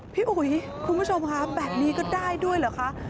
พี่อุ๋ยคุณผู้ชมค่ะแบบนี้ก็ได้ด้วยเหรอคะ